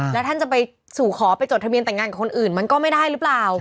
แล้วท่านจะไปสู่ขอไปจดทะเบียนแต่งงานกับคนอื่นมันก็ไม่ได้หรือเปล่า